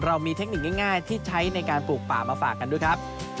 เรามีเทคนิคง่ายที่ใช้ในการปลูกป่ามาฝากกันด้วยครับ